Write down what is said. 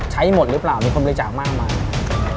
ใช้หมดหรือเปล่ามีคนประจำมาก